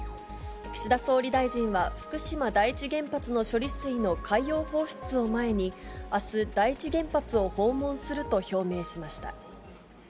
岸田総理大臣は福島第一原発の処理水の海洋放出を前に、あす、第一原発を訪問すると表明しました。